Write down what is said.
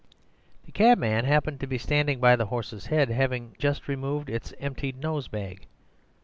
The cabman happened to be standing by the horse's head, having just removed its emptied nose bag.